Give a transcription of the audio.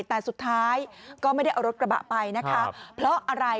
แต่สุดท้ายก็ไม่ได้เอารถกระบะไปนะคะเพราะอะไร